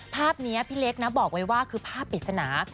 ภาพนี้พี่เล็กนะบอกไว้ว่าคือภาพปริศนา